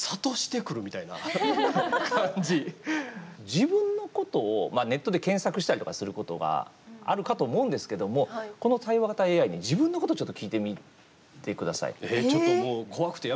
自分のことをネットで検索したりとかすることがあるかと思うんですけどもこの対話型ＡＩにちょっともう怖いですね。